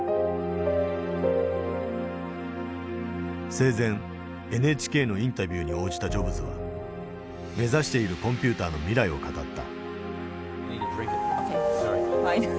生前ＮＨＫのインタビューに応じたジョブズは目指しているコンピューターの未来を語った。